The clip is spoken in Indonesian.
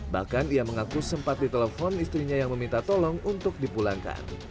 bahkan ia mengaku sempat ditelepon istrinya yang meminta tolong untuk dipulangkan